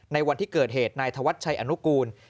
ในวันที่เกิดเหตุนายธวัชชัยอนุกูล